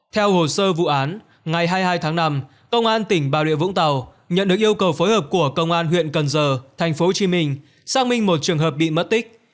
theo hồ sơ vụ án ngày hai mươi hai tháng năm công an tỉnh bà rịa vũng tàu nhận được yêu cầu phối hợp của công an huyện cần giờ thành phố hồ chí minh xác minh một trường hợp bị mất tích